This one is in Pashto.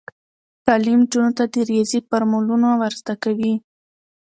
تعلیم نجونو ته د ریاضي فورمولونه ور زده کوي.